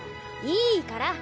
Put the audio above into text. いいから！